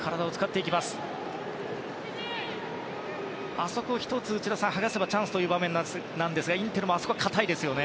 あそこ、剥がせばチャンスという場面ですがインテルもあそこは堅いですよね。